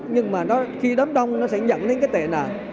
nhưng mà khi đám đông nó sẽ nhận đến cái tệ nào